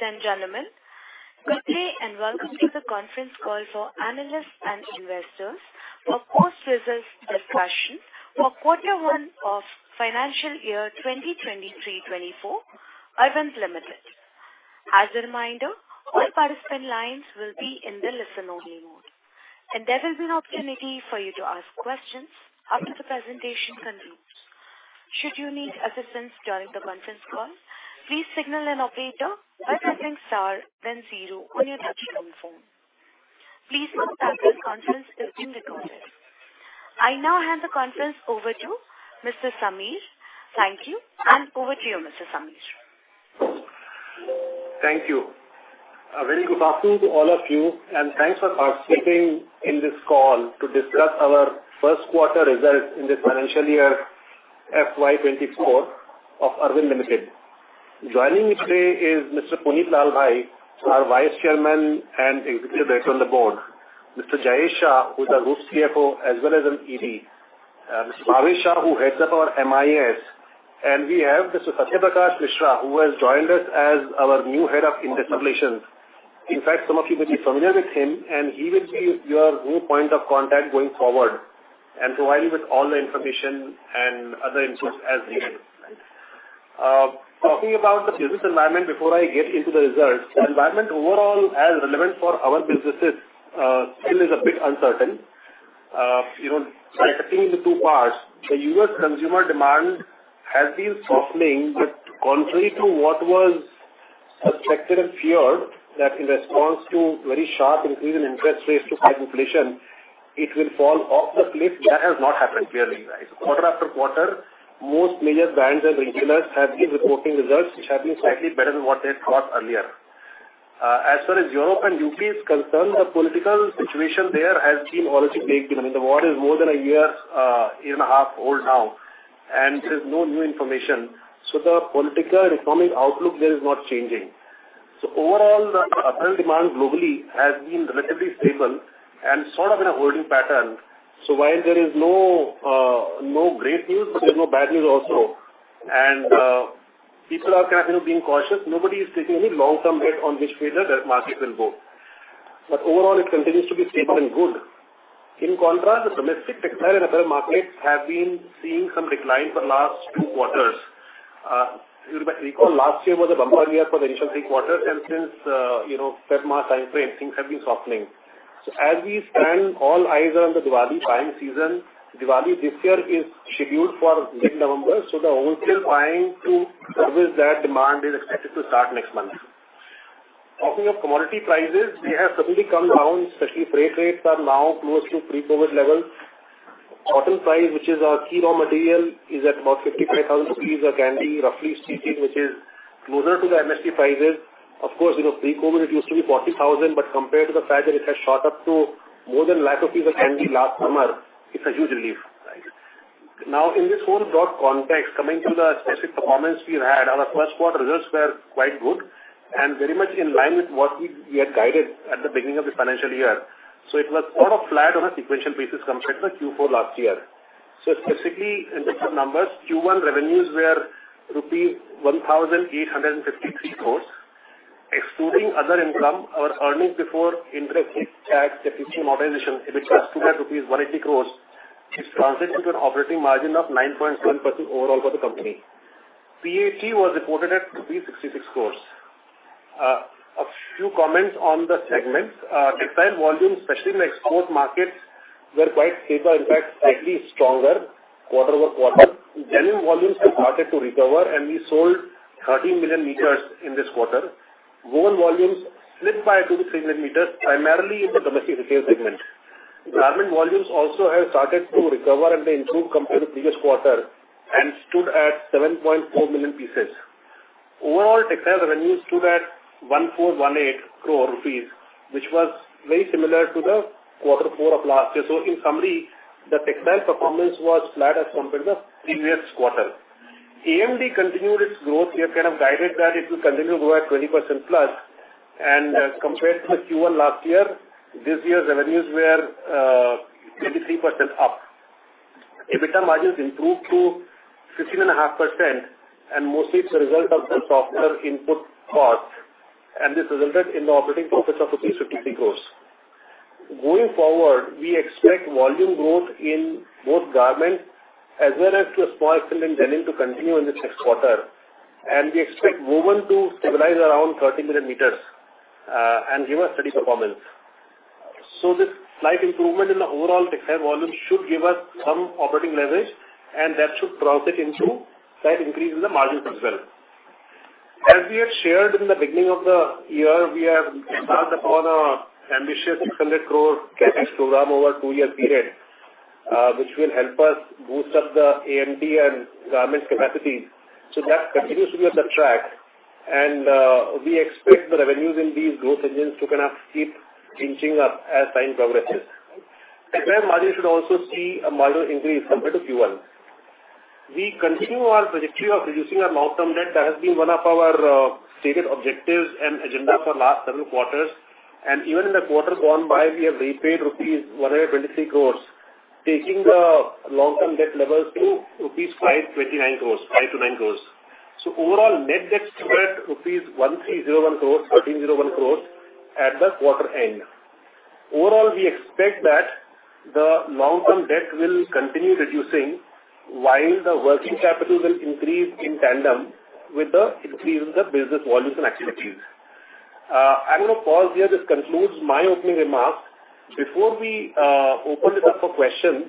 Ladies and gentlemen, good day, and welcome to the conference call for analysts and investors for quarter results discussion for quarter one of financial year 2023-24, Arvind Limited. As a reminder, all participant lines will be in the listen-only mode, and there is an opportunity for you to ask questions after the presentation concludes. Should you need assistance during the conference call, please signal an operator by pressing star then zero on your telephone. Please note that this conference is being recorded. I now hand the conference over to Mr. Samir. Thank you, and over to you, Mr. Samir. Thank you. A very good afternoon to all of you, and thanks for participating in this call to discuss our first quarter results in this financial year, FY 2024 of Arvind Limited. Joining me today is Mr. Punit Lalbhai, our Vice Chairman and Executive Director on the board, Mr. Jayesh Shah, who is our Group CFO as well as an ED, Mr. Mahesh Shah, who heads up our MIS, and we have Mr. Satya Prakash Mishra, who has joined us as our new head of investor relations. In fact, some of you may be familiar with him, and he will be your new point of contact going forward and provide you with all the information and other inputs as needed. Talking about the business environment before I get into the results, the environment overall as relevant for our businesses still is a bit uncertain. You know, separating the two parts, the U.S. consumer demand has been softening, but contrary to what was expected and feared, that in response to very sharp increase in interest rates to fight inflation, it will fall off the cliff. That has not happened, clearly, right? Quarter after quarter, most major brands and retailers have been reporting results, which have been slightly better than what they thought earlier. As far as Europe and U.K. is concerned, the political situation there has been already baked in. I mean, the war is more than a year, year and a half old now, and there is no new information. So the political and economic outlook there is not changing. So overall, the apparel demand globally has been relatively stable and sort of in a holding pattern. So while there is no, no great news, but there's no bad news also. And, people are kind of being cautious. Nobody is taking any long-term bet on which way the, the market will go. But overall, it continues to be stable and good. In contrast, the domestic textile and apparel markets have been seeing some decline for the last two quarters. If you might recall, last year was a bumper year for the initial three quarters, and since, you know, February time frame, things have been softening. So as we stand, all eyes are on the Diwali buying season. Diwali this year is scheduled for mid-November, so the wholesale buying to service that demand is expected to start next month. Talking of commodity prices, they have certainly come down, especially freight rates are now close to pre-COVID levels. Cotton price, which is our key raw material, is at about 55,000 rupees a candy, roughly speaking, which is closer to the MSP prices. Of course, you know, pre-COVID, it used to be 40,000, but compared to the fact that it has shot up to more than 1 lakh rupees a candy last summer, it's a huge relief. Now, in this whole broad context, coming to the specific performance we've had, our first quarter results were quite good and very much in line with what we had guided at the beginning of the financial year. So it was sort of flat on a sequential basis compared to the Q4 last year. So specifically, in the numbers, Q1 revenues were rupees 1,853 crores. Excluding other income, our earnings before interest, tax, depreciation, and amortization, EBITDA, was INR 180 crore, which translates into an operating margin of 9.7% overall for the company. PAT was reported at 66 crore. A few comments on the segments. Textile volumes, especially in the export markets, were quite stable, in fact, slightly stronger quarter-over-quarter. Denim volumes have started to recover, and we sold 13 million m in this quarter. Woven volumes slipped by 2-3 million m, primarily in the domestic retail segment. Garment volumes also have started to recover and they improved compared to the previous quarter and stood at 7.4 million pieces. Overall, textile revenues stood at 1,418 crore rupees, which was very similar to the quarter four of last year. So in summary, the textile performance was flat as compared to the previous quarter. AMD continued its growth. We have kind of guided that it will continue to grow at 20%+, and compared to the Q1 last year, this year's revenues were 33% up. EBITDA margins improved to 16.5%, and mostly it's a result of the softer input costs, and this resulted in the operating profit of INR 53 crore. Going forward, we expect volume growth in both garments as well as to a small extent in denim to continue in this next quarter, and we expect woven to stabilize around 30 million m and give a steady performance. So this slight improvement in the overall textile volume should give us some operating leverage, and that should translate into slight increase in the margins as well. As we had shared in the beginning of the year, we have started upon an ambitious 600 crore CapEx program over a two-year period, which will help us boost up the AMD and garments capacities. So that continues to be on the track, and we expect the revenues in these growth engines to kind of keep inching up as time progresses. Textile margin should also see a marginal increase compared to Q1. We continue our trajectory of reducing our long-term debt. That has been one of our stated objectives and agenda for last several quarters, and even in the quarter gone by, we have repaid rupees 123 crore, taking the long-term debt levels to rupees 529 crore. So overall, net debt stood at rupees 1,301 crore at the quarter end. Overall, we expect that the long-term debt will continue reducing while the working capital will increase in tandem with the increase in the business volumes and activities. I'm going to pause here. This concludes my opening remarks. Before we open it up for questions,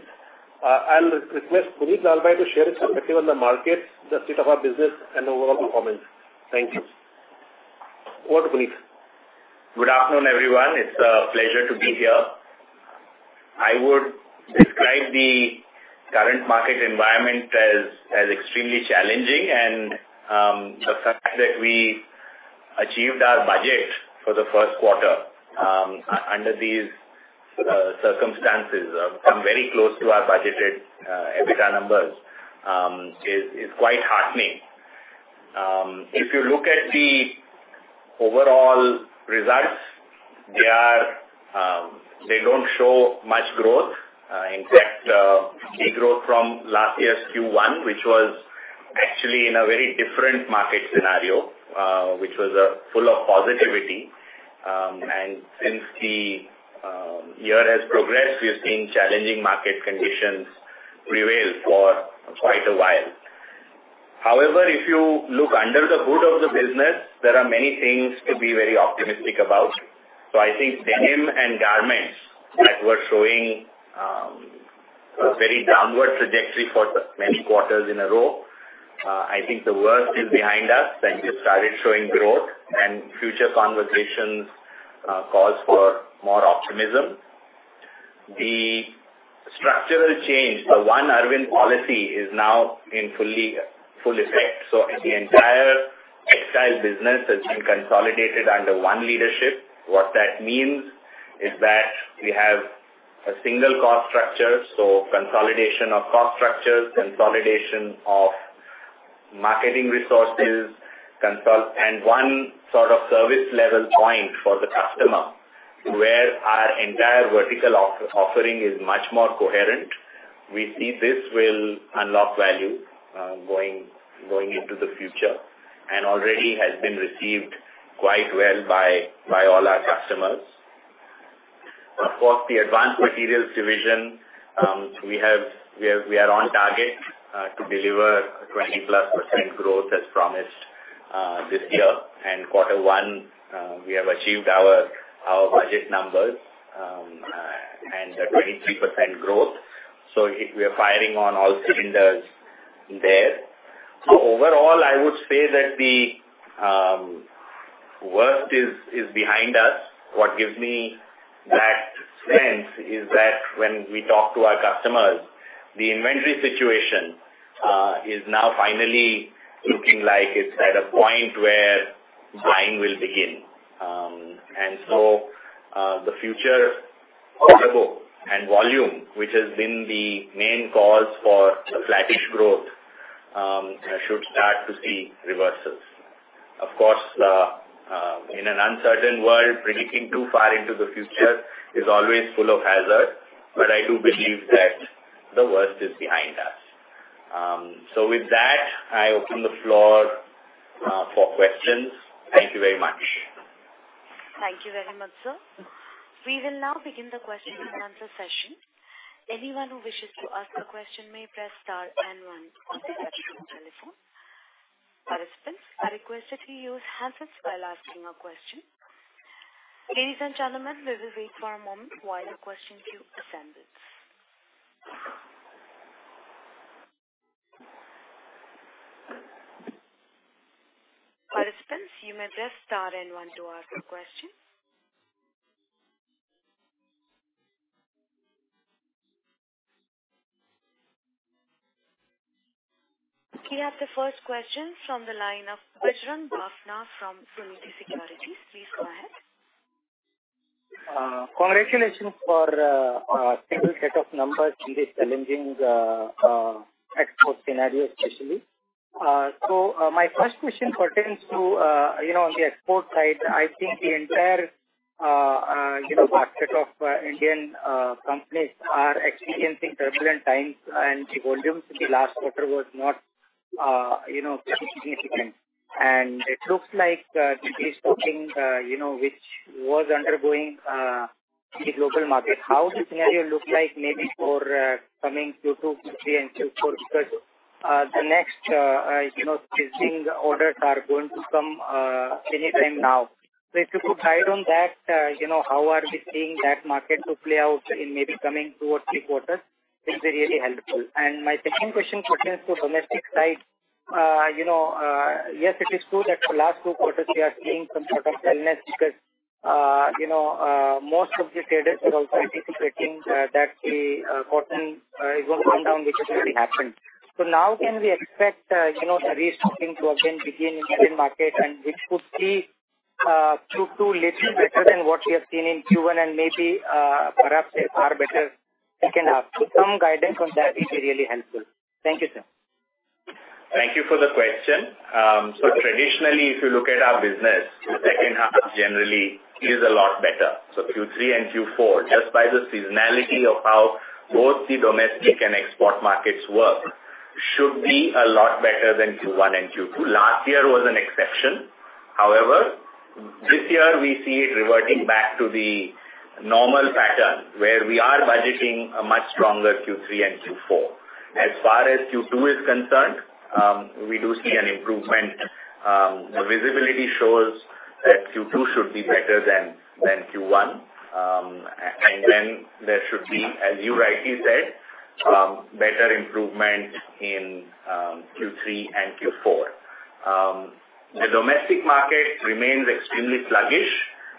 I'll request Punit Lalbhai to share his perspective on the market, the state of our business, and overall performance. Thank you. Over to Punit. Good afternoon, everyone. It's a pleasure to be here. I would describe the current market environment as extremely challenging and the fact that we achieved our budget for the first quarter under these circumstances come very close to our budgeted EBITDA numbers is quite heartening. If you look at the overall results, they are, they don't show much growth. In fact, de-growth from last year's Q1, which was actually in a very different market scenario, which was full of positivity. And since the year has progressed, we have seen challenging market conditions prevail for quite a while. However, if you look under the hood of the business, there are many things to be very optimistic about. So I think denim and garments that were showing a very downward trajectory for the many quarters in a row, I think the worst is behind us, and we have started showing growth, and future conversations cause for more optimism. The structural change, the One Arvind policy, is now in full effect. So the entire textile business has been consolidated under one leadership. What that means is that we have a single cost structure, so consolidation of cost structures, consolidation of marketing resources. And one sort of service level point for the customer, where our entire vertical offering is much more coherent. We see this will unlock value going into the future, and already has been received quite well by all our customers. Of course, the advanced materials division, we are on target to deliver a 20+% growth as promised this year. Quarter one, we have achieved our budget numbers and a 23% growth. So we are firing on all cylinders there. Overall, I would say that the worst is behind us. What gives me that sense is that when we talk to our customers, the inventory situation is now finally looking like it's at a point where buying will begin. So the future order book and volume, which has been the main cause for a flattish growth, should start to see reversals. Of course, in an uncertain world, predicting too far into the future is always full of hazard, but I do believe that the worst is behind us. So with that, I open the floor for questions. Thank you very much. Thank you very much, sir. We will now begin the question and answer session. Anyone who wishes to ask a question may press star and one on their telephone. Participants are requested to use handsets while asking a question. Ladies and gentlemen, we will wait for a moment while the question queue assembles. Participants, you may press star and one to ask a question. We have the first question from the line of Varun Bafna from Fulity Securities. Please go ahead. Congratulations for single set of numbers in this challenging export scenario, especially. So, my first question pertains to, you know, on the export side. I think the entire, you know, basket of Indian companies are experiencing turbulent times, and the volumes in the last quarter was not, you know, pretty significant. And it looks like the restocking, you know, which was undergoing in the global market. How the scenario looks like maybe for coming 2Q 2023 and 2Q 2024, because the next, you know, fixing orders are going to come anytime now. So if you could guide on that, you know, how are we seeing that market to play out in maybe coming two or three quarters? It'll be really helpful. My second question pertains to domestic side. You know, yes, it is true that the last two quarters we are seeing some sort of lull because, you know, most of the traders were anticipating that the cotton it won't come down, which has already happened. So now can we expect, you know, the restocking to again begin in market, and it could see Q2 a little better than what we have seen in Q1 and maybe, perhaps a far better second half. So some guidance on that it'll be really helpful. Thank you, sir. Thank you for the question. So traditionally, if you look at our business, the second half generally is a lot better. So Q3 and Q4, just by the seasonality of how both the domestic and export markets work, should be a lot better than Q1 and Q2. Last year was an exception. However, this year we see it reverting back to the normal pattern, where we are budgeting a much stronger Q3 and Q4. As far as Q2 is concerned, we do see an improvement. The visibility shows that Q2 should be better than Q1. And then there should be, as you rightly said, better improvement in Q3 and Q4. The domestic market remains extremely sluggish,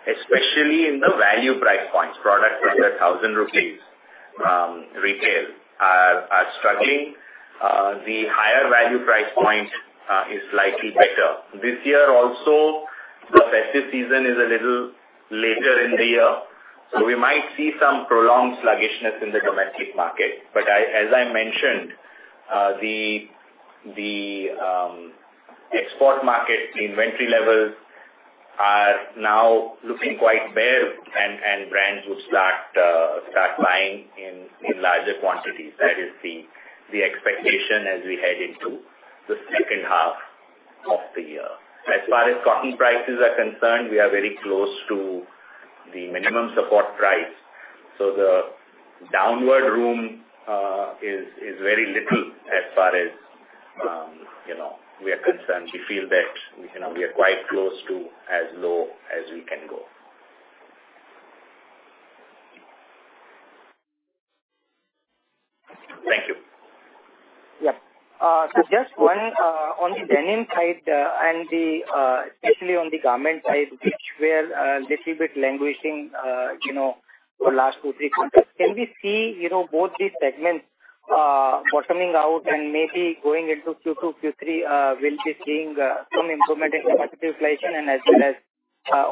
especially in the value price points. Products under 1,000 rupees retail are struggling. The higher value price point is slightly better. This year also, the festive season is a little later in the year, so we might see some prolonged sluggishness in the domestic market. But as I mentioned, the export market inventory levels are now looking quite bare and brands would start buying in larger quantities. That is the expectation as we head into the second half of the year. As far as cotton prices are concerned, we are very close to the minimum support price, so the downward room is very little as far as, you know, we are concerned. We feel that, you know, we are quite close to as low as we can go. Thank you. Yeah. So just one on the denim side and especially on the garment side, which were little bit languishing, you know, for last two, three quarters. Can we see, you know, both these segments bottoming out and maybe going into Q2, Q3, we'll be seeing some improvement in the market utilization and as well as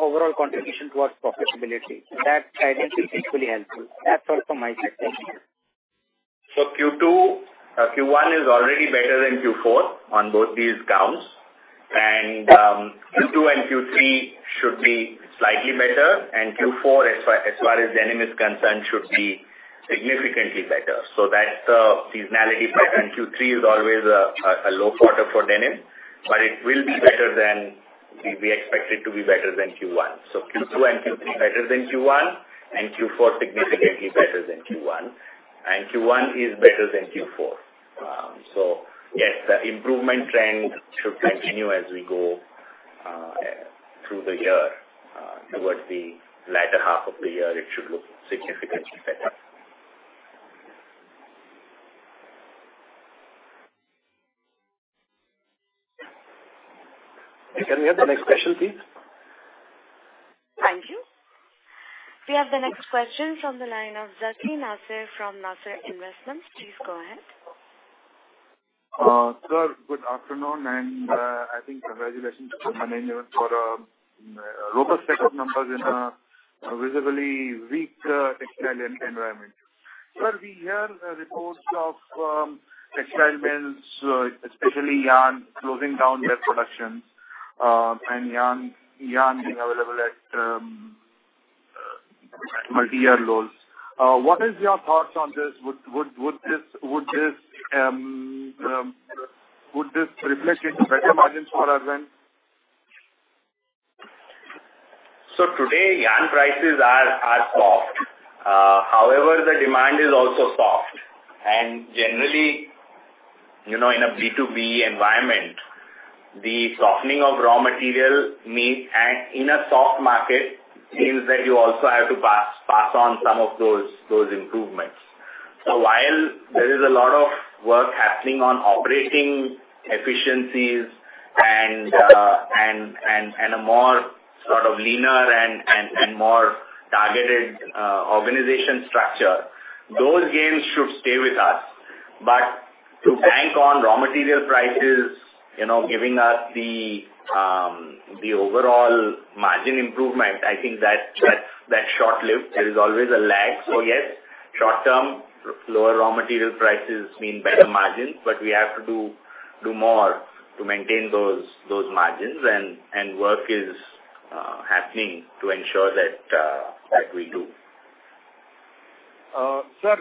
overall contribution towards profitability? That I think will be equally helpful. That's all from my side. Thank you. So Q2, Q1 is already better than Q4 on both these counts. And, Q2 and Q3 should be slightly better, and Q4, as far as denim is concerned, should be significantly better. So that's the seasonality pattern. Q3 is always a low quarter for denim, but it will be better than... We expect it to be better than Q1. So Q2 and Q3 better than Q1, and Q4 significantly better than Q1. And Q1 is better than Q4. So yes, the improvement trend should continue as we go through the year. Towards the latter half of the year, it should look significantly better. Can we have the next question, please? Thank you. We have the next question from the line of Zakir Nasir from Nasir Investments. Please go ahead. Sir, good afternoon, and I think congratulations to the management for a robust set of numbers in a visibly weak textile environment. Sir, we hear the reports of textile mills, especially yarn, closing down their production, and yarn being available at multi-year lows. What is your thoughts on this? Would this reflect into better margins for Arvind? So today, yarn prices are soft. However, the demand is also soft, and generally, you know, in a B2B environment, the softening of raw material means, and in a soft market, means that you also have to pass on some of those improvements. So while there is a lot of work happening on operating efficiencies and a more sort of leaner and more targeted organization structure, those gains should stay with us. But to bank on raw material prices, you know, giving us the overall margin improvement, I think that's short-lived. There is always a lag. So yes, short term, lower raw material prices mean better margins, but we have to do more to maintain those margins, and work is happening to ensure that we do. Sir,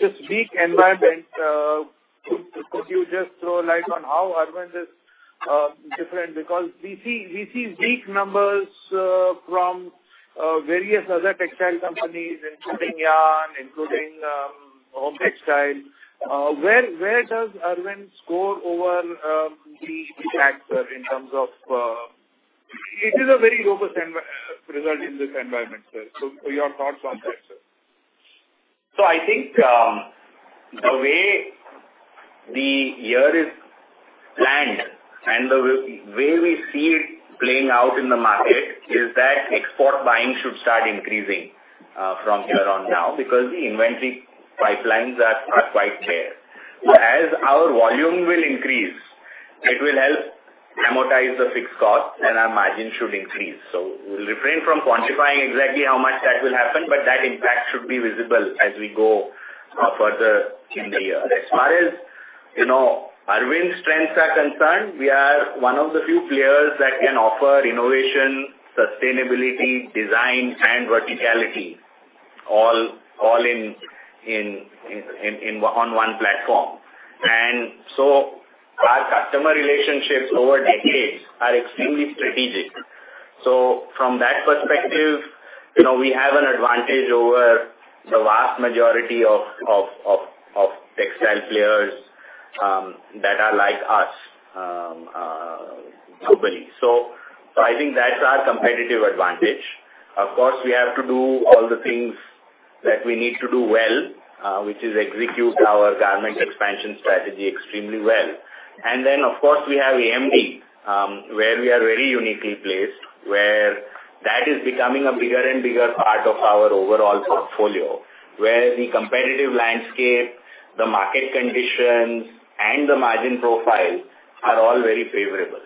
this weak environment, could you just throw light on how Arvind is different? Because we see weak numbers from various other textile companies, including yarn, including home textiles. Where does Arvind score over these factors in terms of? It is a very robust result in this environment, sir. Your thoughts on that, sir. So I think, the way the year is planned and the way we see it playing out in the market is that export buying should start increasing from here on now, because the inventory pipelines are quite clear. So as our volume will increase, it will help amortize the fixed cost, and our margin should increase. So we'll refrain from quantifying exactly how much that will happen, but that impact should be visible as we go further in the year. As far as, you know, Arvind's strengths are concerned, we are one of the few players that can offer innovation, sustainability, design, and verticality, all in on one platform. And so our customer relationships over decades are extremely strategic. So from that perspective, you know, we have an advantage over the vast majority of textile players that are like us globally. So I think that's our competitive advantage. Of course, we have to do all the things that we need to do well, which is execute our garment expansion strategy extremely well. And then, of course, we have AMD, where we are very uniquely placed, where that is becoming a bigger and bigger part of our overall portfolio. Where the competitive landscape, the market conditions, and the margin profile are all very favorable.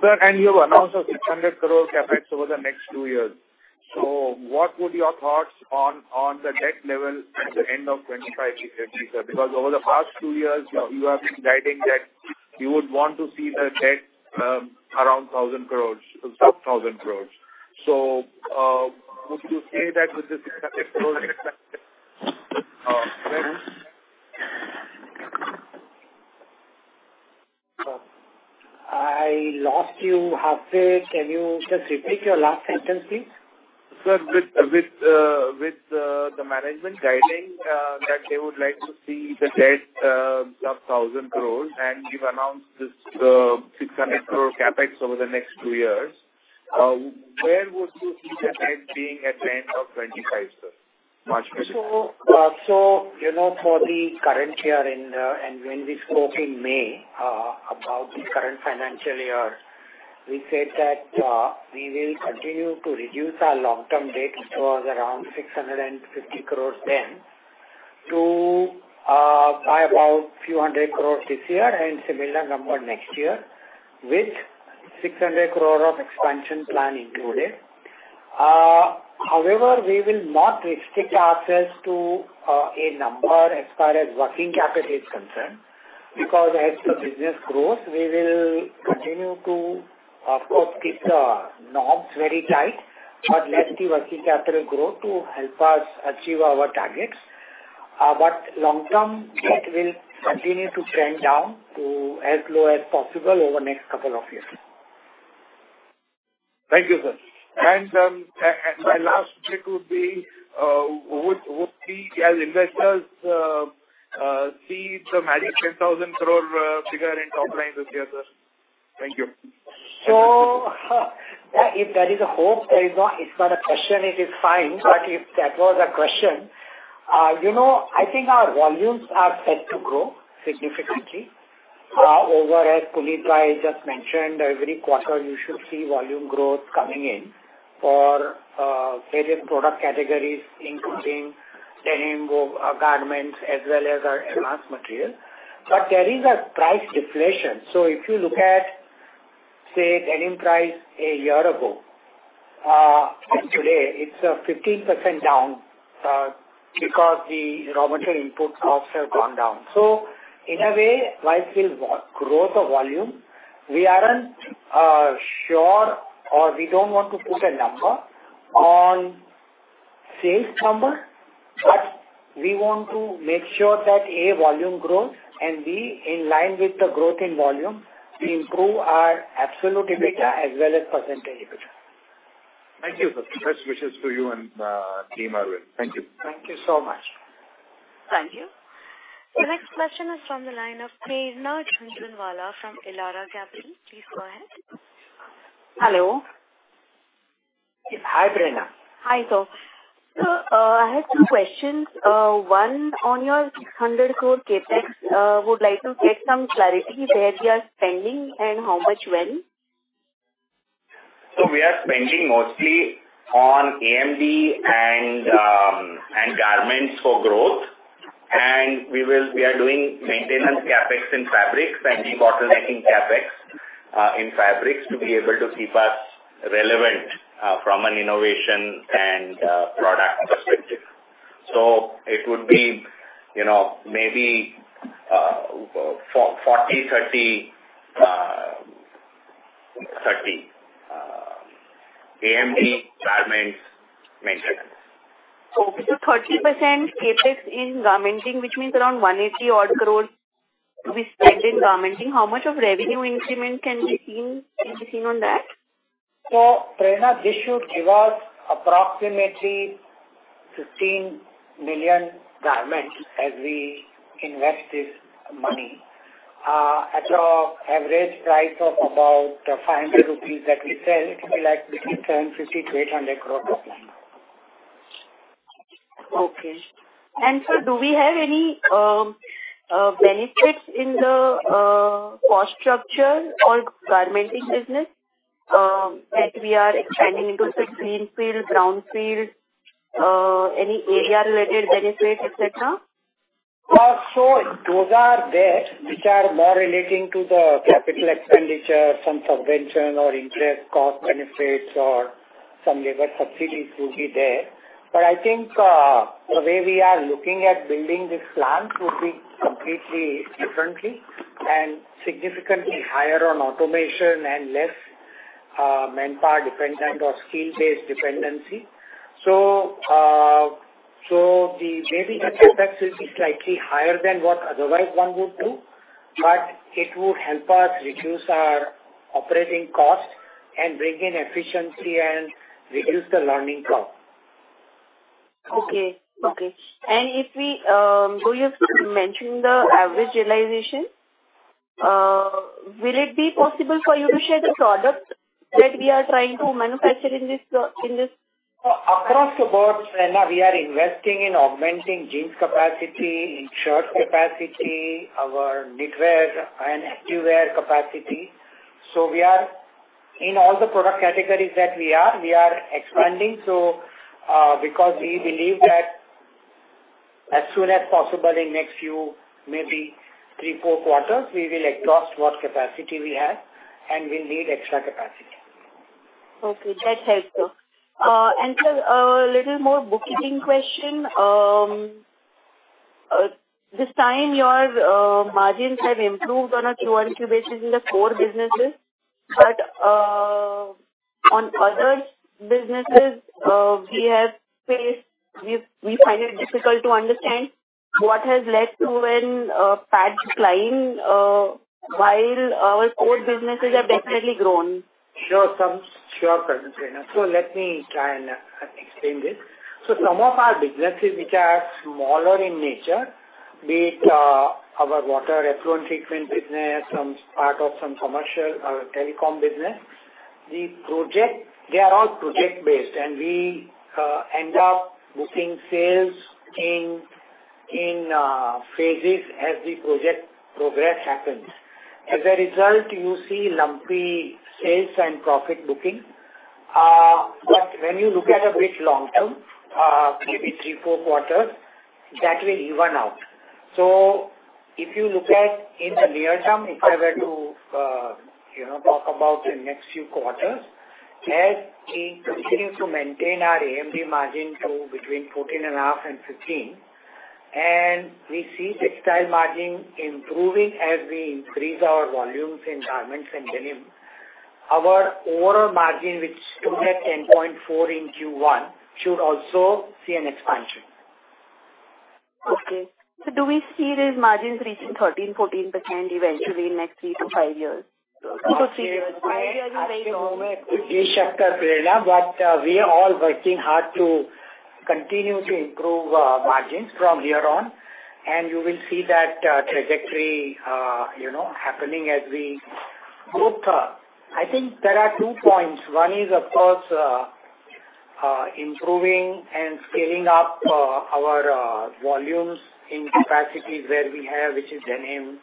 Sir, you announced a 600 crore CapEx over the next two years. So what would be your thoughts on the debt level at the end of 2025, because over the past two years, you have been guiding that you would want to see the debt around 1,000 crore, sub-1,000 crores. So, would you say that with this? I lost you halfway. Can you just repeat your last sentence, please? Sir, with the management guiding that they would like to see the debt sub-INR 1,000 crores, and you've announced this 600 crore CapEx over the next two years, where would you see the debt being at the end of 2025, sir? March 2025. So, you know, for the current year and, and when we spoke in May, about the current financial year, we said that, we will continue to reduce our long-term debt to around 650 crore then, to, by about a few hundred crore this year and similar number next year, with 600 crore of expansion plan included. However, we will not restrict ourselves to, a number as far as working capital is concerned, because as the business grows, we will continue to, of course, keep the norms very tight, but let the working capital grow to help us achieve our targets. But long-term debt will continue to trend down to as low as possible over the next couple of years. Thank you, sir. My last bit would be, would we, as investors, see the magic 10,000 crore figure in top line this year, sir? Thank you. So, if that is a hope, it's not, it's not a question, it is fine. But if that was a question, you know, I think our volumes are set to grow significantly, over as Punit just mentioned, every quarter, you should see volume growth coming in for various product categories, including denim, garments, as well as our advanced material. But there is a price deflation. So if you look at, say, denim price a year ago, today, it's 15% down, because the raw material inputs also have gone down. So in a way, while still growth of volume, we aren't sure or we don't want to put a number on sales number, but we want to make sure that, A, volume grows, and B, in line with the growth in volume, we improve our absolute EBITDA as well as percentage EBITDA. Thank you, sir. Best wishes to you and team Arvind. Thank you. Thank you so much. Thank you. The next question is from the line of Prerna Jhunjhunwala from Elara Capital. Please go ahead. Hello. Hi, Prerna. Hi, sir. I have two questions. One, on your 600 crore CapEx, would like to get some clarity where we are spending and how much when? So we are spending mostly on AMD and garments for growth, and we will... We are doing maintenance CapEx in fabrics and debottlenecking CapEx in fabrics to be able to keep us relevant from an innovation and product perspective. So it would be, you know, maybe for 40, 30, 30 AMD, garments, maintenance. Okay. So 30% CapEx in garmenting, which means around 180-odd crore INR to be spent in garmenting. How much of revenue increment can be seen, can be seen on that? Prerna, this should give us approximately 15 million garments as we invest this money. At our average price of about 500 rupees that we sell, it will be like between 750 crore-800 crore of revenue. Okay. And sir, do we have any benefits in the cost structure or garmenting business that we are expanding into the greenfield, brownfield, any area-related benefits, et cetera? Well, so those are there, which are more relating to the capital expenditure, some subvention or interest cost benefits or some labor subsidies will be there. But I think, the way we are looking at building this plant would be completely differently and significantly higher on automation and less, manpower dependent or skill-based dependency. So, so the maybe the CapEx will be slightly higher than what otherwise one would do, but it would help us reduce our operating costs and bring in efficiency and reduce the learning curve. Okay. Okay. And if we go yourself mentioning the average realization, will it be possible for you to share the product that we are trying to manufacture in this? Across the board, Prerna, we are investing in augmenting jeans capacity, in shirts capacity, our knitwear and activewear capacity. So we are in all the product categories that we are, we are expanding. So, because we believe that as soon as possible in next few, maybe 3, 4 quarters, we will exhaust what capacity we have, and we'll need extra capacity. Okay, that helps, sir. And, sir, a little more bookkeeping question. This time your margins have improved on a Q-on-Q basis in the core businesses, but on other businesses, we have faced... We find it difficult to understand what has led to a patchy decline while our core businesses have definitely grown. Sure, some. Sure, Prerna. So let me try and explain this. So some of our businesses, which are smaller in nature, be it our water effluent treatment business, some part of some commercial telecom business, the project, they are all project-based, and we end up booking sales in phases as the project progress happens. As a result, you see lumpy sales and profit booking. But when you look at a bit long term, maybe three, four quarters, that will even out. If you look at in the near term, if I were to, you know, talk about the next few quarters, as we continue to maintain our AMD margin to between 14.5 and 15, and we see textile margin improving as we increase our volumes in garments and denim, our overall margin, which stood at 10.4 in Q1, should also see an expansion. Okay. So do we see these margins reaching 13%-14% eventually in next three-five years? At the moment, we expect that, Prerna, but we are all working hard to continue to improve margins from here on, and you will see that trajectory, you know, happening as we move. I think there are two points. One is, of course, improving and scaling up our volumes in capacities where we have, which is denim,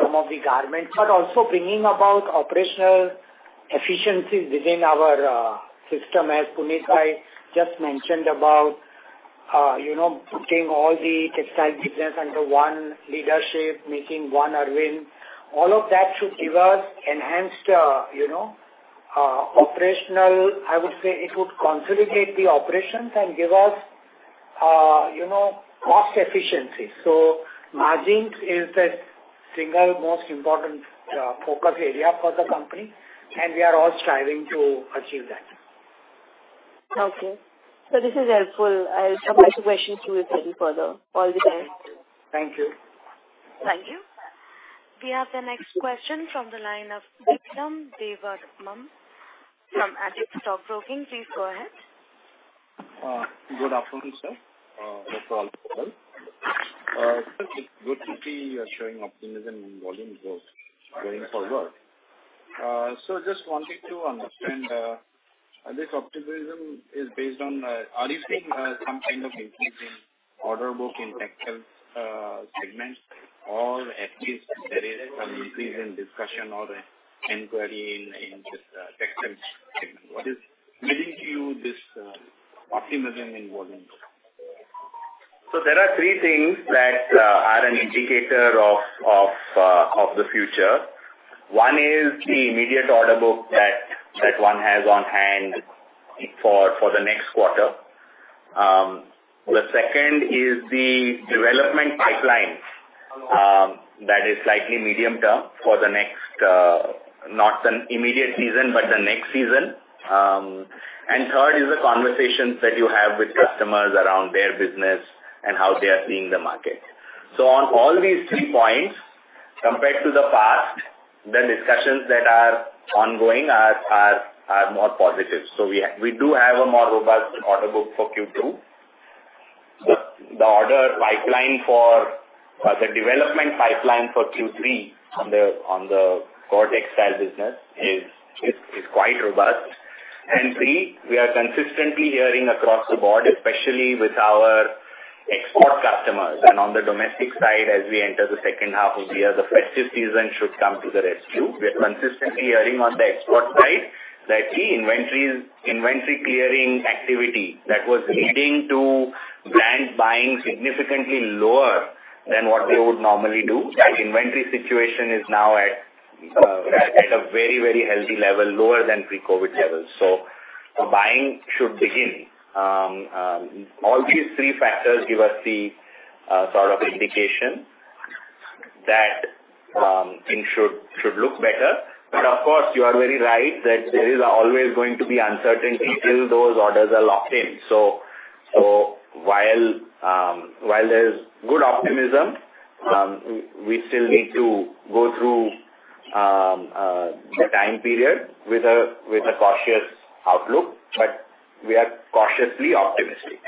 some of the garments, but also bringing about operational efficiencies within our system. As Punit just mentioned about, you know, putting all the textile business under one leadership, making One Arvind. All of that should give us enhanced, you know, operational... I would say it would consolidate the operations and give us, you know, cost efficiency. So margin is the single most important focus area for the company, and we are all striving to achieve that. Okay. This is helpful. I'll submit the questions to you a little further. All the best. Thank you. Thank you. We have the next question from the line of Vikram from Axis Stock Broking. Please go ahead. Good afternoon, sir. Good to see you are showing optimism in volume growth going forward. So just wanted to understand, this optimism is based on, are you seeing some kind of increase in order book in textile segment, or at least there is some increase in discussion or inquiry in this textile segment? What is leading you to this optimism in volume? So there are three things that are an indicator of the future. One is the immediate order book that one has on hand for the next quarter. The second is the development pipelines that is likely medium term for the next, not an immediate season, but the next season. And third is the conversations that you have with customers around their business and how they are seeing the market. So on all these three points, compared to the past, the discussions that are ongoing are more positive. So we do have a more robust order book for Q2. The order pipeline for the development pipeline for Q3 on the core textile business is quite robust. And three, we are consistently hearing across the board, especially with our export customers. On the domestic side, as we enter the second half of the year, the festive season should come to the rescue. We are consistently hearing on the export side that the inventories, inventory clearing activity that was leading to brand buying significantly lower than what they would normally do. That inventory situation is now at a very, very healthy level, lower than pre-COVID levels. Buying should begin. All these three factors give us the sort of indication that things should look better. Of course, you are very right, that there is always going to be uncertainty till those orders are locked in. While there's good optimism, we still need to go through the time period with a cautious outlook, but we are cautiously optimistic.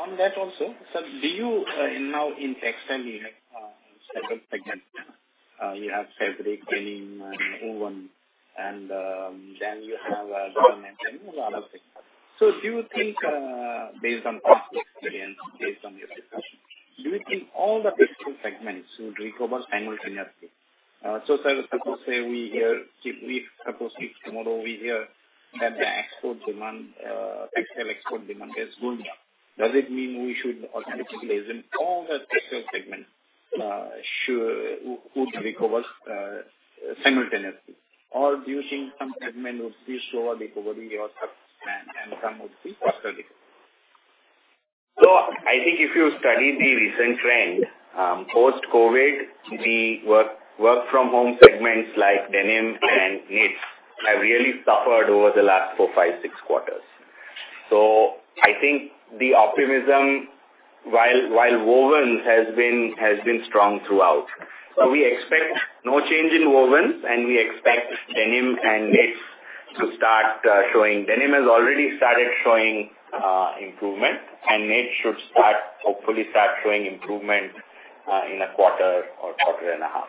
On that also, sir, do you now in textile you have several segment. You have fabric, knitting, and woven, and then you have garmenting and a lot of things. So do you think, based on past experience, based on your discussion, do you think all the textile segments would recover simultaneously? So, sir, suppose if tomorrow we hear that the export demand, textile export demand is going up, does it mean we should automatically assume all the textile segment should, would recover simultaneously? Or do you think some segment would be slower recovery or some, and some would be faster recovery? So I think if you study the recent trend, post-COVID, the work from home segments like denim and knits have really suffered over the last four, five, six quarters. So I think the optimism, while wovens has been strong throughout. So we expect no change in wovens, and we expect denim and knits to start showing. Denim has already started showing improvement, and knits should start, hopefully start showing improvement, in a quarter or quarter and a half.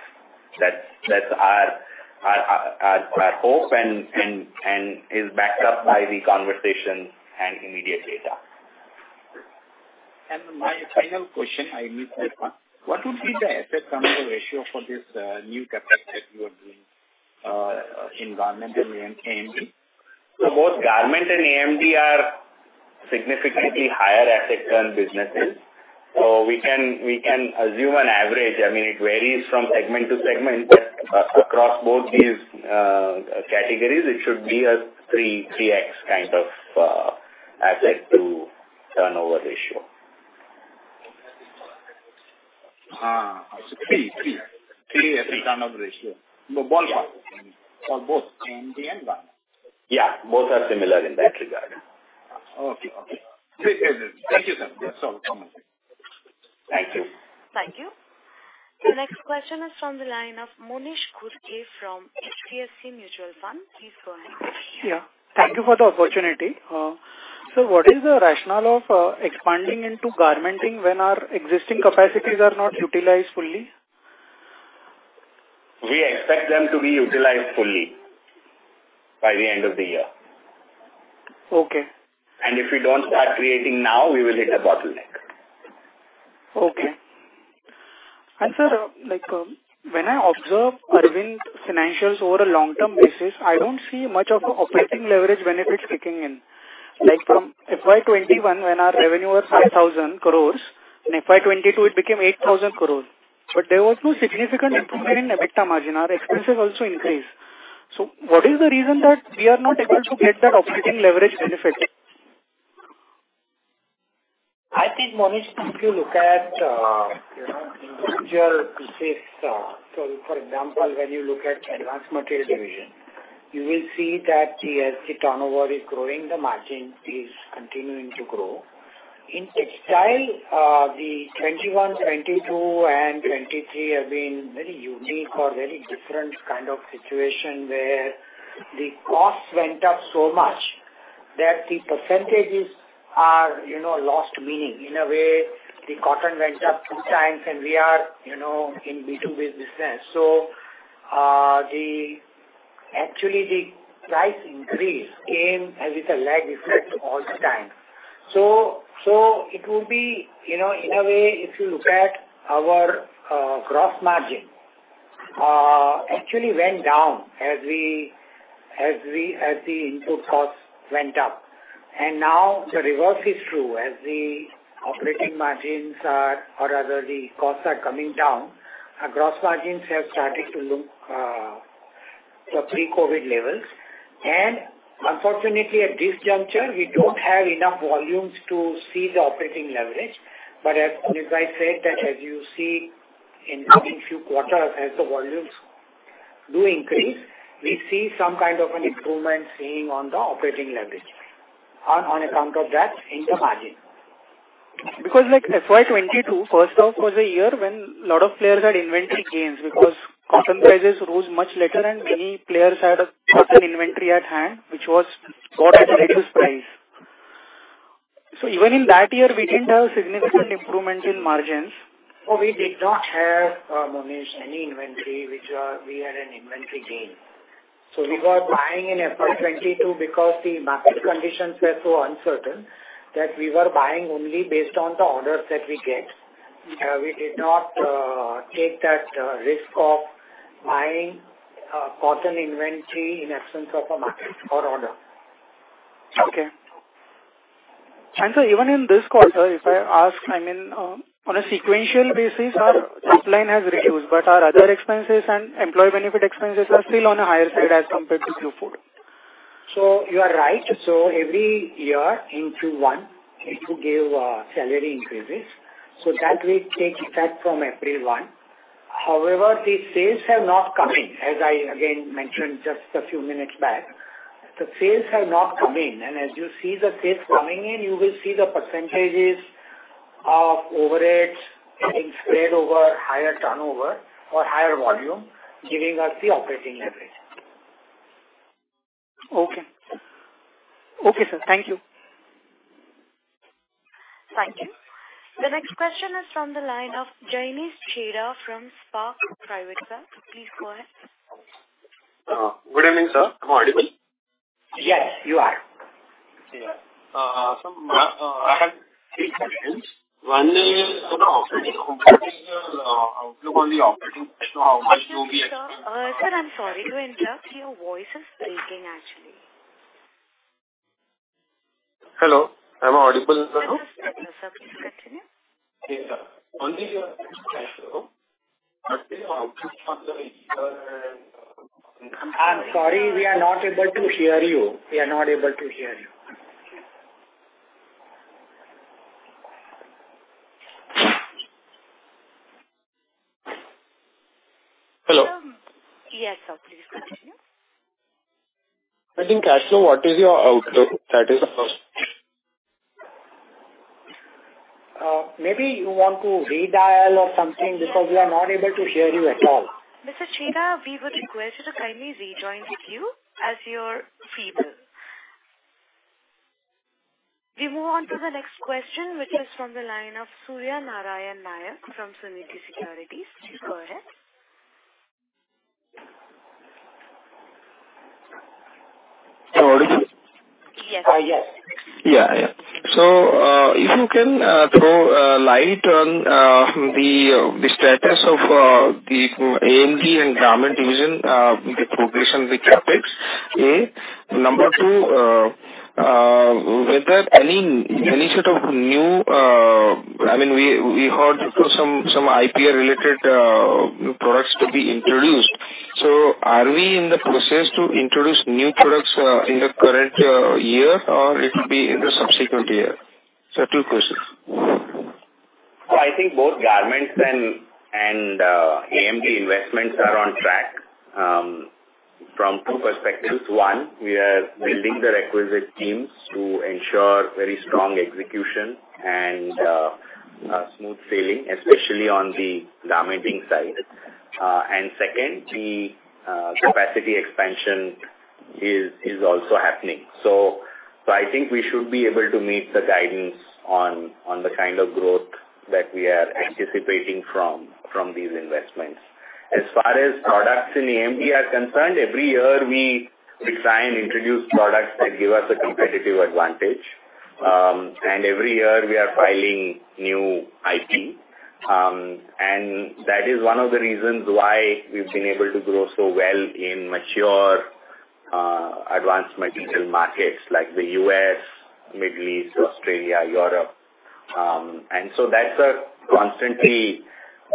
That's our hope and is backed up by the conversation and immediate data. My final question, I need this one. What would be the asset turnover ratio for this new capital that you are doing in garment and AMD? So both garment and AMD are significantly higher asset turn businesses. So we can, we can assume an average. I mean, it varies from segment to segment, but across both these categories, it should be a 3x kind of asset to turnover ratio. 3.3 asset turnover ratio. Yeah. For both, AMD and garment? Yeah, both are similar in that regard. Okay. Okay. Thank you, sir. That's all. Thank you. Thank you. The next question is from the line of Monish Ghodke from HDFC Mutual Fund. Please go ahead. Yeah. Thank you for the opportunity. So what is the rationale of expanding into garmenting when our existing capacities are not utilized fully? We expect them to be utilized fully by the end of the year. Okay. If we don't start creating now, we will hit a bottleneck. Okay. Sir, like, when I observe Arvind's financials over a long-term basis, I don't see much of a operating leverage benefits kicking in. Like from FY 2021, when our revenue was 5,000 crore, in FY 2022, it became 8,000 crore rupees, but there was no significant improvement in EBITDA margin. Our expenses also increased. So what is the reason that we are not able to get that operating leverage benefit? I think, Monish, if you look at, you know, individual pieces, so for example, when you look at Advanced Materials Division, you will see that as the turnover is growing, the margin is continuing to grow. In textile, the 2021, 2022, and 2023 have been very unique or very different kind of situation, where the costs went up so much that the percentages are, you know, lost meaning. In a way, the cotton went up two times, and we are, you know, in B2B business. So, actually, the price increase came with a lag effect all the time. So, it will be, you know, in a way, if you look at our gross margin, actually went down as the input costs went up. And now the reverse is true. As the operating margins are, or rather the costs are coming down, our gross margins have started to look to pre-COVID levels. And unfortunately, at this juncture, we don't have enough volumes to see the operating leverage. But as I said, that as you see in coming few quarters, as the volumes do increase, we see some kind of an improvement seeing on the operating leverage on account of that in the margin. Because like FY 2022, first off, was a year when a lot of players had inventory gains, because cotton prices rose much later and many players had a cotton inventory at hand, which was got at the lowest price. So even in that year, we didn't have significant improvements in margins. Oh, we did not have, Monish, any inventory, which we had an inventory gain. So we were buying in FY 2022 because the market conditions were so uncertain that we were buying only based on the orders that we get. We did not take that risk of buying cotton inventory in absence of a market or order. Okay. Even in this quarter, if I ask, I mean, on a sequential basis, our top line has reduced, but our other expenses and employee benefit expenses are still on a higher side as compared to Q4. You are right. Every year in Q1, it will give salary increases, so that way it takes effect from April 1. However, the sales have not come in. As I again mentioned just a few minutes back, the sales have not come in, and as you see the sales coming in, you will see the percentages of overheads getting spread over higher turnover or higher volume, giving us the operating leverage. Okay. Okay, sir, thank you. Thank you. The next question is from the line of Janice Chida from Spark Private Bank. Please go ahead. Good evening, sir. Am I audible? Yes, you are. Yeah. So, I have three questions. One is on the operating outlook on the operating- Sir, sir, I'm sorry to interrupt. Your voice is breaking, actually. Hello. Am I audible, sir? Yes, sir. Please continue. Yes, sir. On the cash flow, what is your outlook on the- I'm sorry, we are not able to hear you. We are not able to hear you. Hello. Yes, sir. Please continue. I think cash flow, what is your outlook? That is the first question. Maybe you want to redial or something because we are not able to hear you at all. Mr. Chida, we would request you to kindly rejoin the queue as you're fifth. We move on to the next question, which is from the line of Surya Narayan Nayak from Sunidhi Securities. Please go ahead. Hello. Yes. Uh, yes. Yeah, yeah. So, if you can throw light on the status of the AMD and garment division, the progression, the CapEx. Number two, whether any initiative of new... I mean, we heard some IPR-related new products to be introduced. So are we in the process to introduce new products in the current year, or it will be in the subsequent year? So two questions. So I think both garments and AMD investments are on track from two perspectives. One, we are building the requisite teams to ensure very strong execution and smooth sailing, especially on the garmenting side. And second, the capacity expansion is also happening. So I think we should be able to meet the guidance on the kind of growth that we are anticipating from these investments. As far as products in AMD are concerned, every year we try and introduce products that give us a competitive advantage, and every year we are filing new IP. And that is one of the reasons why we've been able to grow so well in mature advanced material markets like the U.S., Middle East, Australia, Europe. And so that's a constantly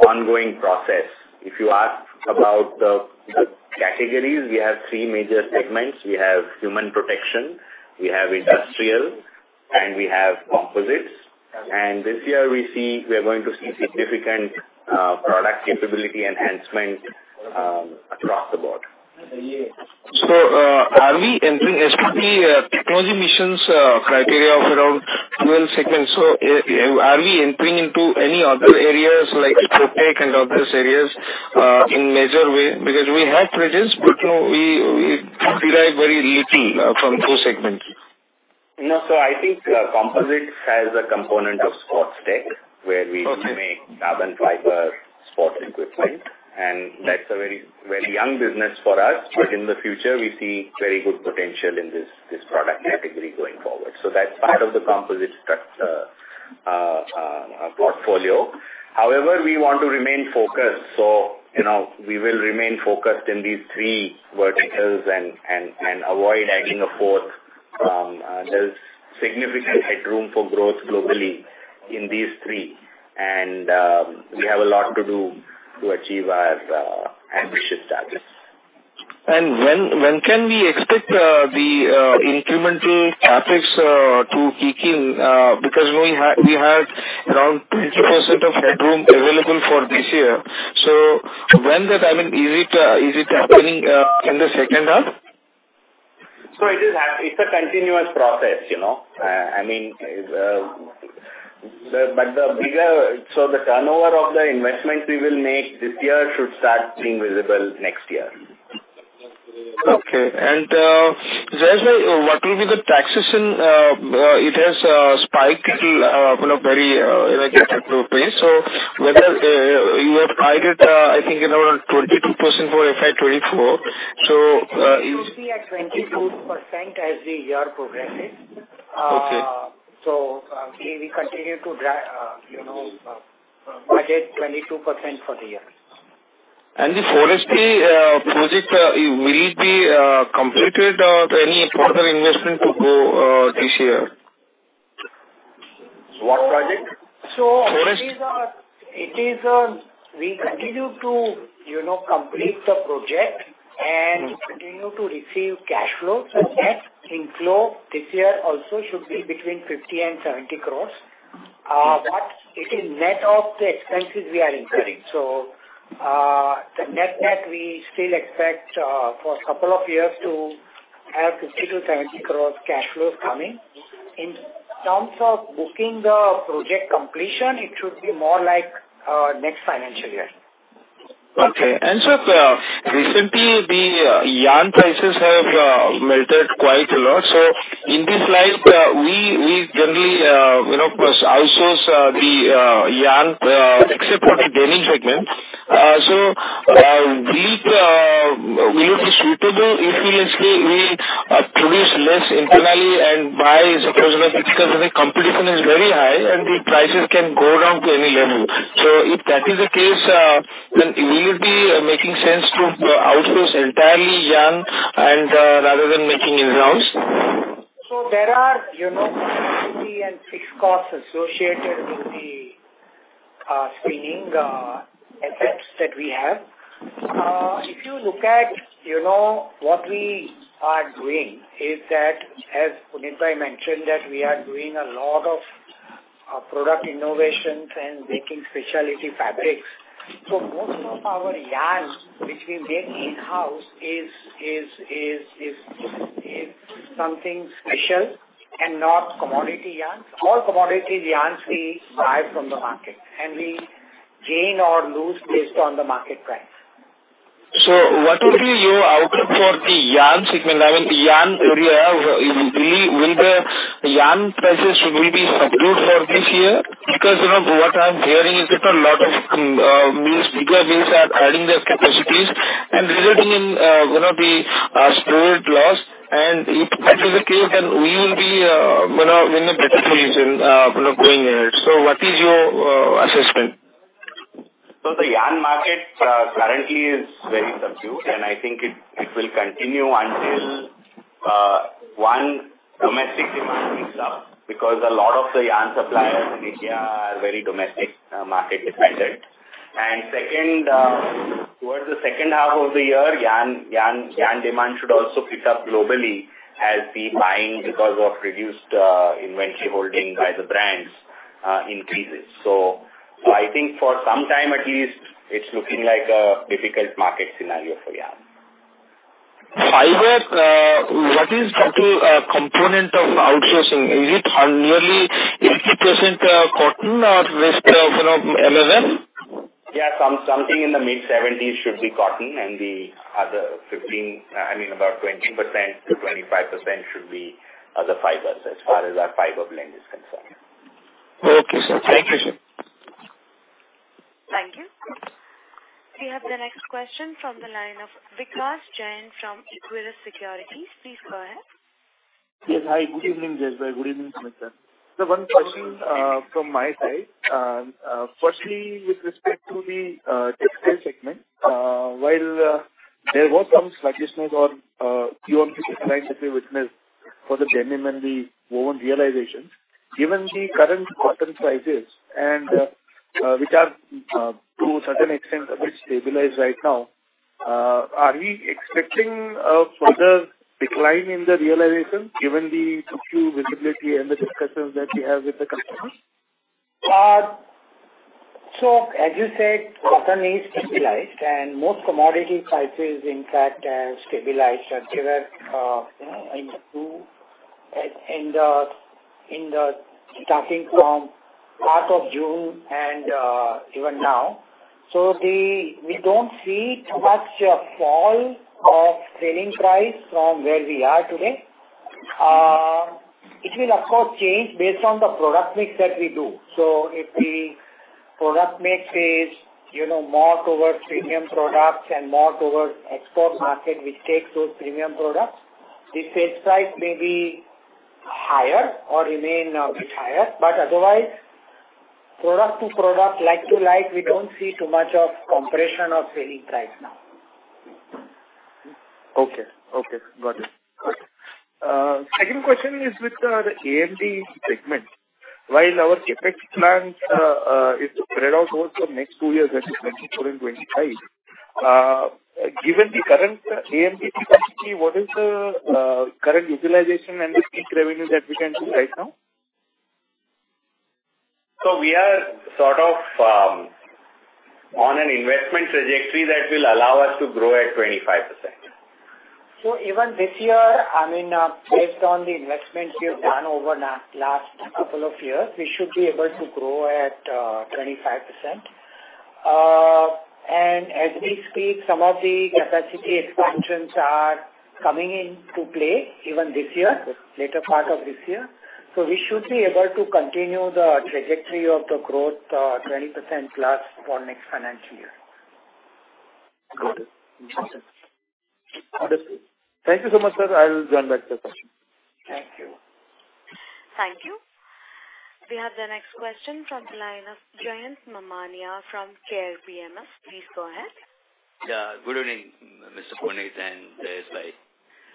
ongoing process. If you ask about the categories, we have three major segments. We have human protection, we have industrial, and we have composites, and this year we are going to see significant product capability enhancement across the board. So, are we entering NTT technology missions criteria of around 12 segments? So, are we entering into any other areas like Protech and other areas in major way? Because we have presence, but, you know, we derive very little from those segments. No, so I think composites has a component of sports tech, where we- Okay. make carbon fiber sports equipment, and that's a very, very young business for us. Right. But in the future we see very good potential in this product category going forward. So that's part of the composite structure portfolio. However, we want to remain focused, so, you know, we will remain focused in these three verticals and avoid adding a fourth. There's significant headroom for growth globally in these three, and we have a lot to do to achieve our ambitious targets. When can we expect the incremental CapEx to kick in? Because we have around 20% headroom available for this year. So when is the timing? Is it happening in the second half? So it is. It's a continuous process, you know. I mean, the... But the bigger, so the turnover of the investment we will make this year should start being visible next year. Okay. And, as well, what will be the taxation? It has spiked, you know. So whether you have guided, I think around 22% for FY 2024. So, It should be at 22% as the year progresses. Okay. So, we continue to, you know, budget 22% for the year. The forestry project, will it be completed, or any further investment to go this year? What project? So it is, we continue to, you know, complete the project and continue to receive cash flows. Okay. In flow this year also should be between 50 and 70 crores. But it is net of the expenses we are incurring. So, the net that we still expect, for a couple of years to have 50-70 crores cash flows coming. In terms of booking the project completion, it should be more like, next financial year. Okay. So, recently the yarn prices have melted quite a lot. So in this light, we generally, you know, plus outsource the yarn, except for the denim segment. So, will it be suitable if we let's say we produce less internally and buy, suppose, you know, because the competition is very high and the prices can go down to any level. So if that is the case, then will it be making sense to outsource entirely yarn and, rather than making in-house? So there are, you know, variable and fixed costs associated with the spinning assets that we have. If you look at, you know, what we are doing is that, as Punit mentioned, that we are doing a lot of product innovations and making specialty fabrics. So most of our yarn, which we make in-house, is something special and not commodity yarns. All commodity yarns we buy from the market, and we gain or lose based on the market price. So what would be your outlook for the yarn segment? I mean, yarn area, will the yarn prices be subdued for this year? Because, you know, what I'm hearing is that a lot of mills, bigger mills are adding their capacities and resulting in, you know, the stored loss. And if that is the case, then we will be, you know, in a better position, you know, going ahead. So what is your assessment? So the yarn market, currently is very subdued, and I think it will continue until one, domestic demand picks up, because a lot of the yarn suppliers in India are very domestic market-dependent. And second, towards the second half of the year, yarn demand should also pick up globally as the buying, because of reduced inventory holding by the brands, increases. So I think for some time at least, it's looking like a difficult market scenario for yarn. Fiber, what is the component of outsourcing? Is it nearly 80% cotton or rest, you know, MLM? Yeah, something in the mid-70s should be cotton, and the other 15, I mean, about 20%-25% should be other fibers, as far as our fiber blend is concerned. Okay, sir. Thank you, sir. Thank you. We have the next question from the line of Vikas Jain from Equirus Securities. Please go ahead. Yes. Hi, good evening, Jainbhai. Good evening, Sumit sir. So one question from my side. Firstly, with respect to the textile segment, while there was some sluggishness on few of the segments that we witnessed for the denim and the woven realizations, given the current cotton prices and which are to a certain extent a bit stabilized right now, are we expecting a further decline in the realization, given the subdued visibility and the discussions that we have with the customers? So as you said, cotton is stabilized, and most commodity prices, in fact, have stabilized or given, you know, in the starting from part of June and even now. We don't see too much a fall of selling price from where we are today. It will of course change based on the product mix that we do. So if the product mix is, you know, more towards premium products and more towards export market, which takes those premium products, the sales price may be higher or remain bit higher, but otherwise, product to product, like to like, we don't see too much of compression of selling price now. Okay. Okay, got it. Second question is with the AMD segment. While our CapEx plans is spread out over the next two years, that is 2024 and 2025, given the current AMD capacity, what is the current utilization and the peak revenue that we can see right now? We are sort of on an investment trajectory that will allow us to grow at 25%. So even this year, I mean, based on the investments we've done over the last couple of years, we should be able to grow at 25%. And as we speak, some of the capacity expansions are coming into play even this year, later part of this year. So we should be able to continue the trajectory of the growth, 20%+ for next financial year. Got it. Thank you so much, sir. I will join back the question. Thank you. Thank you. We have the next question from the line of Jayant Mamania from Care PMS. Please go ahead. Yeah. Good evening, Mr. Punit and Jaiswal.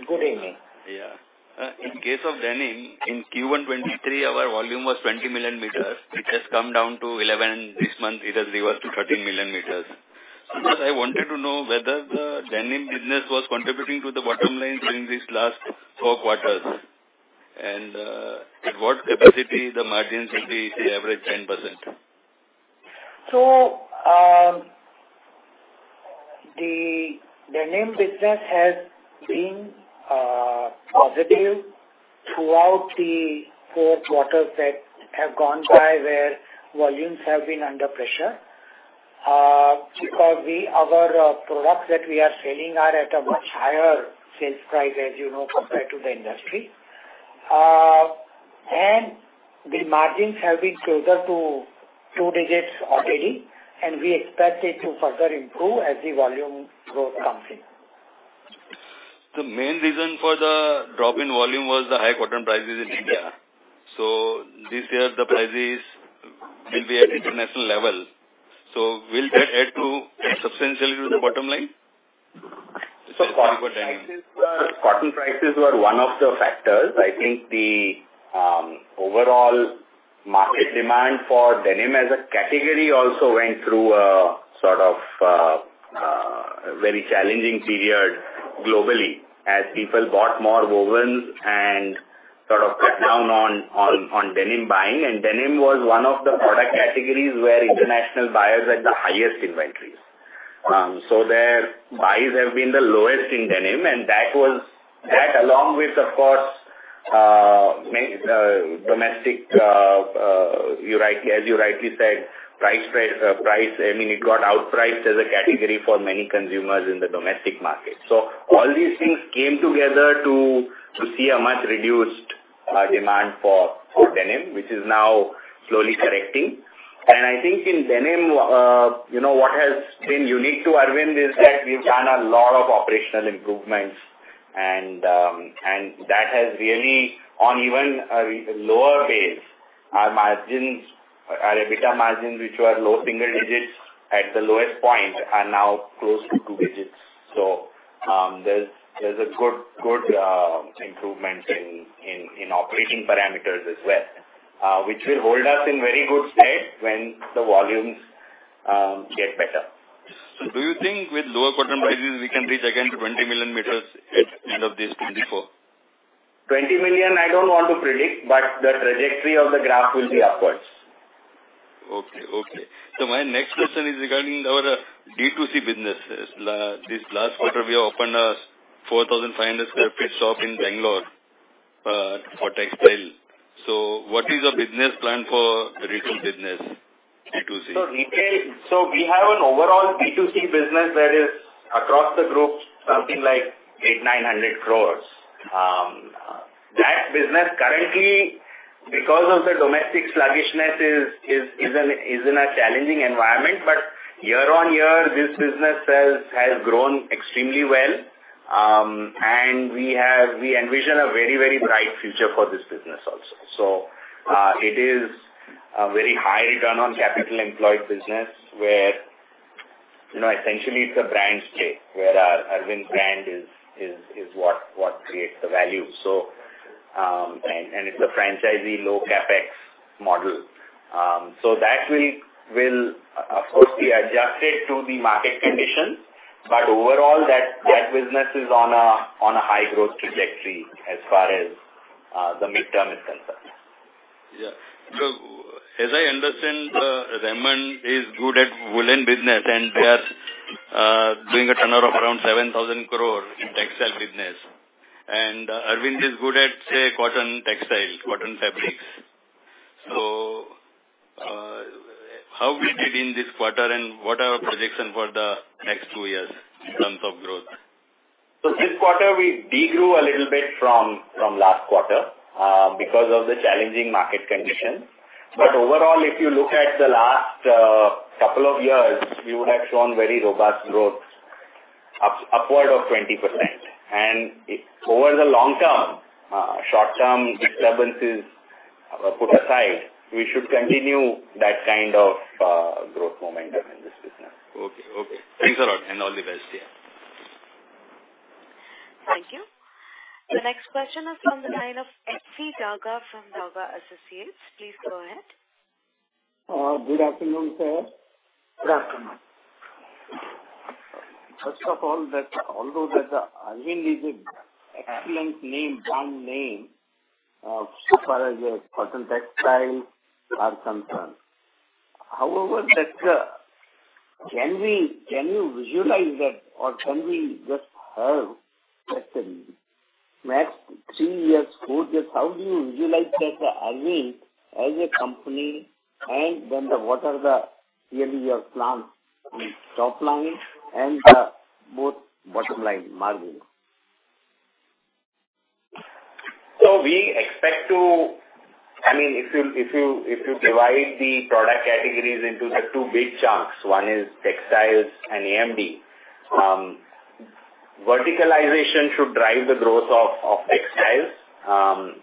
Good evening. Yeah. In case of denim, in Q1 2023, our volume was 20 million m. It has come down to 11. This month, it has reversed to 13 million m. So I wanted to know whether the denim business was contributing to the bottom line during these last four quarters, and at what capacity the margins will be the average 10%? So, the denim business has been positive throughout the four quarters that have gone by, where volumes have been under pressure, because we our products that we are selling are at a much higher sales price, as you know, compared to the industry. And the margins have been closer to two digits already, and we expect it to further improve as the volume growth comes in. The main reason for the drop in volume was the high cotton prices in India. This year the prices will be at international level. Will that add to substantially to the bottom line? So cotton prices were one of the factors. I think the overall market demand for denim as a category also went through a sort of very challenging period globally, as people bought more wovens and sort of cut down on denim buying. And denim was one of the product categories where international buyers had the highest inventories. So their buys have been the lowest in denim, and that was that, along with, of course, domestic, as you're rightly said, price. I mean, it got outpriced as a category for many consumers in the domestic market. So all these things came together to see a much reduced demand for denim, which is now slowly correcting. I think in denim, you know, what has been unique to Arvind is that we've done a lot of operational improvements, and that has really, on even a relatively lower base, our margins, our EBITDA margins, which were low single digits at the lowest point, are now close to two digits. So, there's a good improvement in operating parameters as well, which will hold us in very good stead when the volumes get better. Do you think with lower cotton prices, we can reach again to 20 million m at end of this 2024? 20 million, I don't want to predict, but the trajectory of the graph will be upwards. Okay. Okay. So my next question is regarding our B2C business. This last quarter, we opened a 4,500 sq ft shop in Bangalore for textile. So what is the business plan for retail business, B2C? So we have an overall B2C business that is across the group, something like 800-900 crores. That business currently, because of the domestic sluggishness, is in a challenging environment, but year-on-year, this business has grown extremely well. And we have... We envision a very, very bright future for this business also. So, it is a very high return on capital employed business where, you know, essentially it's a brand play, where our Arvind brand is what creates the value. So, and it's a franchisee low CapEx model. So that will, of course, be adjusted to the market conditions, but overall, that business is on a high growth trajectory as far as the midterm is concerned. Yeah. So as I understand, Raymond is good at woolen business, and they are doing a turnover of around 7,000 crore in textile business. And Arvind is good at, say, cotton textiles, cotton fabrics. So, how we did in this quarter, and what are our projection for the next two years in terms of growth? So this quarter, we de-grew a little bit from last quarter because of the challenging market conditions. But overall, if you look at the last couple of years, we would have shown very robust growth, upward of 20%. And over the long term, short-term disturbances put aside, we should continue that kind of growth momentum in this business. Okay. Okay. Thanks a lot, and all the best. Yeah. Thank you. The next question is from the line of F.C. Daga from Daga Associates. Please go ahead. Good afternoon, sir. Good afternoon. First of all, although the Arvind is an excellent name, brand name, so far as your cotton textiles are concerned. However, can you visualize that or can we just have the max three years, four years, how do you visualize that, Arvind as a company, and then what are really your plans on top line and both bottom line margin? So we expect to I mean, if you divide the product categories into the two big chunks, one is textiles and AMD. Verticalization should drive the growth of textiles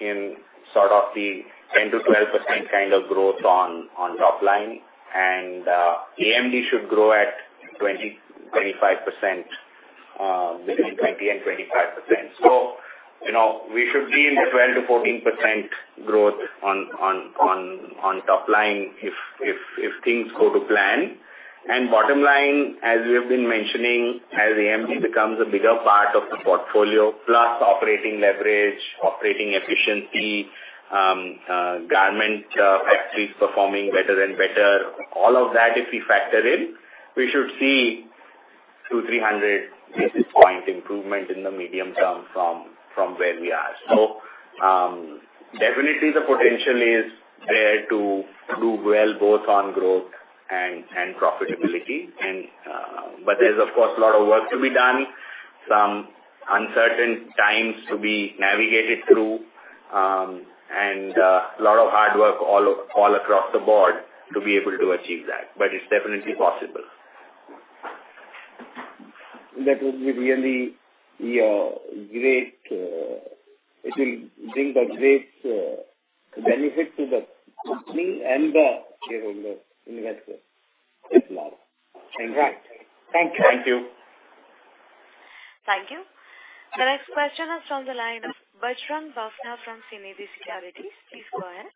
in sort of the 10%-12% kind of growth on top line. And AMD should grow at 20%-25%, between 20% and 25%. So, you know, we should be in the 12%-14% growth on top line if things go to plan. And bottom line, as we have been mentioning, as AMD becomes a bigger part of the portfolio, plus operating leverage, operating efficiency, garment factories performing better and better, all of that, if we factor in, we should see 200-300 basis point improvement in the medium term from where we are. So, definitely the potential is there to do well, both on growth and profitability and, but there's of course, a lot of work to be done, some uncertain times to be navigated through, and a lot of hard work all across the board to be able to achieve that. But it's definitely possible. That would be really, yeah, great. It will bring a great benefit to the company and the shareholder investor as well. Exactly. Thank you. Thank you. Thank you. The next question is from the line of Bajrang Bafna from CME Securities. Please go ahead.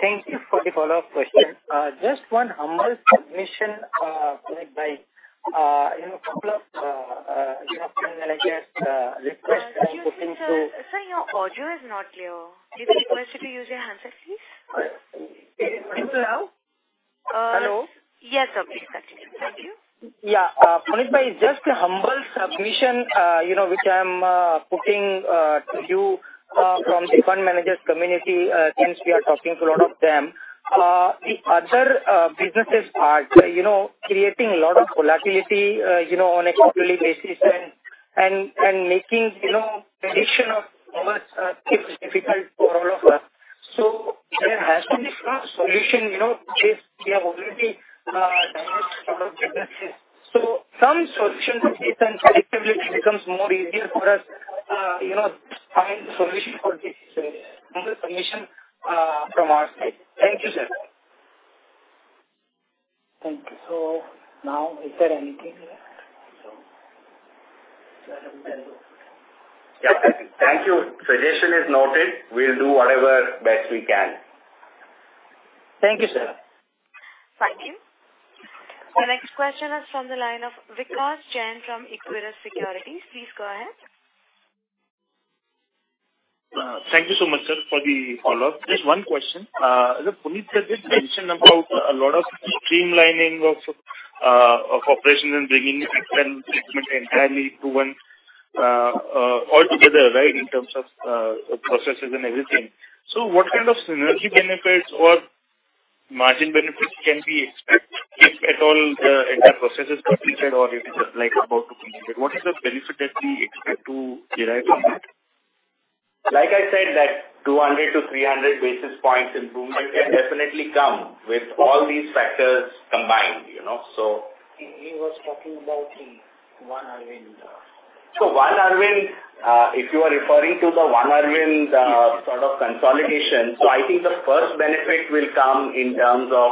Thank you for the follow-up question. Just one humble submission, Punit bhai, in a couple of, you know, request- Excuse me, sir. Sir, your audio is not clear. We request you to use your handset, please. It's loud? Uh- Hello? Yes, okay. Continue. Thank you. Yeah. Punit bhai, just a humble submission, you know, which I am putting to you from the fund managers community, since we are talking to a lot of them. The other businesses are, you know, creating a lot of volatility, you know, on a quarterly basis and making, you know, prediction of numbers difficult for all of us. So there has to be some solution, you know, which we have already discussed about the business. So some solution to this and predictability becomes more easier for us, you know, to find solution for this humble submission from our side. Thank you, sir. Thank you. Now is there anything to add also? Yeah. Thank you. Suggestion is noted. We'll do whatever best we can. Thank you, sir. Thank you. The next question is from the line of Vikas Jain from Equirus Securities. Please go ahead. Thank you so much, sir, for the follow-up. Just one question. Punit sir just mentioned about a lot of streamlining of operations and bringing different segment entirely to one, all together, right? In terms of processes and everything. So what kind of synergy benefits or margin benefits can we expect if at all the entire process is completed or if it is like about to complete it? What is the benefit that we expect to derive from that? Like I said, that 200-300 basis points improvement can definitely come with all these factors combined, you know, so- He was talking about the One Arvind. So One Arvind, if you are referring to the One Arvind, sort of consolidation, so I think the first benefit will come in terms of,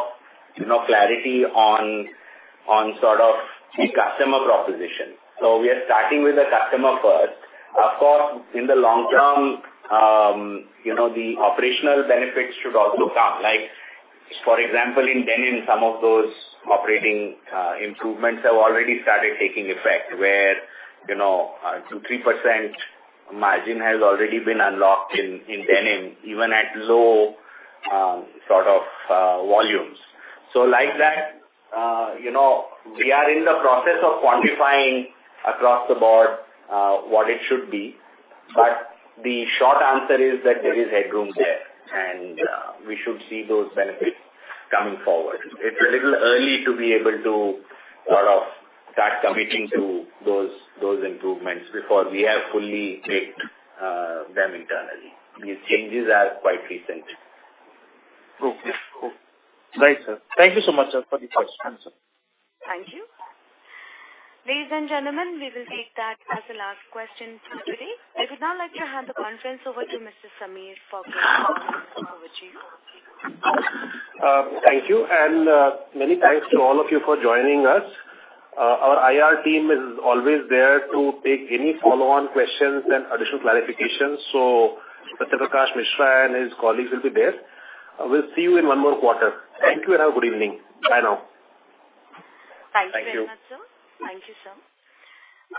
you know, clarity on, on sort of the customer proposition. So we are starting with the customer first. Of course, in the long term, you know, the operational benefits should also come. Like, for example, in denim, some of those operating, improvements have already started taking effect, where, you know, 2%-3% margin has already been unlocked in, in denim, even at low, sort of, volumes. So like that, you know, we are in the process of quantifying across the board, what it should be. But the short answer is that there is headroom there, and, we should see those benefits coming forward. It's a little early to be able to sort of start committing to those, those improvements before we have fully checked them internally. These changes are quite recent. Okay, cool. Right, sir. Thank you so much, sir, for the quick answer. Thank you. Ladies and gentlemen, we will take that as the last question for today. I would now like to hand the conference over to Mr. Samir for concluding remarks. Thank you, and many thanks to all of you for joining us. Our IR team is always there to take any follow-on questions and additional clarifications. So Mr. Prakash Mishra and his colleagues will be there. I will see you in one more quarter. Thank you and have a good evening. Bye now. Thank you very much, sir. Thank you. Thank you, sir.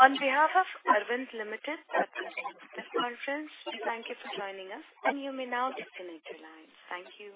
On behalf of Arvind Limited, that concludes this conference, we thank you for joining us, and you may now disconnect your lines. Thank you.